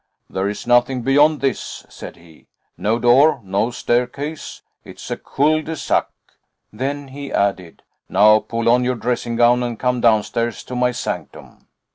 "There is nothing beyond this," said he, "no door, no staircase. It is a cul de sac." Then he added: "Now pull on your dressing gown and come downstairs to my sanctum."